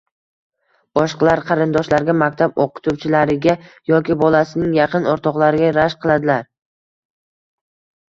boshqalar qarindoshlarga maktab o‘qituvchilariga yoki bolasining yaqin o‘rtoqlariga rashk qiladilar.